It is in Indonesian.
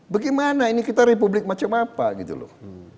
bagaimana ini kita republik macam apa gitu loh